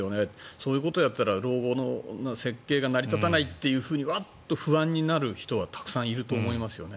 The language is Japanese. そういうことをやったら老後の設計が成り立たないっていうふうにワッと不安になる人はたくさんいると思いますよね。